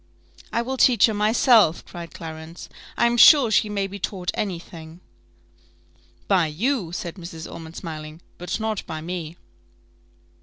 "I will teach her myself," cried Clarence: "I am sure she may be taught any thing." "By you," said Mrs. Ormond, smiling; "but not by me."